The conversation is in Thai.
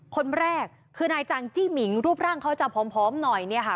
คนแรกคือนายจังจี้หมิงรูปร่างเขาจะผอมหน่อยเนี่ยค่ะ